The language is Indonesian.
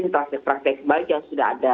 dan praktek praktek baik yang sudah ada